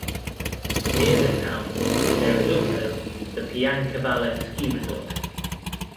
Near the town there is also the Piancavallo ski resort.